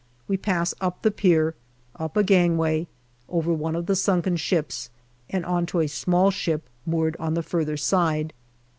We pass up the pier, up a gangway, over one of the sunken ships, and on to a small ship moored on the further side.